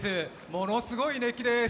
ものすごい熱気です。